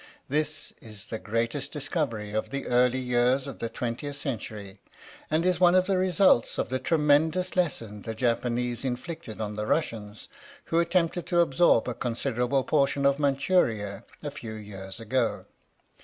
This is the greatest discovery of the early years of the twentieth century, and is one of the results of the tremendous lesson the Japanese inflicted on the Russians who attempted to absorb a considerable portion of Manchuria a few years ago.